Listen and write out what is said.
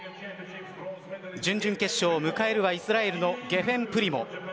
準々決勝、迎えるはイスラエルのゲフェン・プリモ。